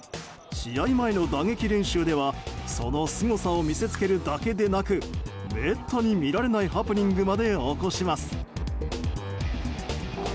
試合前の打撃練習ではそのすごさを見せつけるだけでなくめったに見られないハプニングまで起こします。